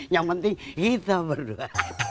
yang penting kita berdua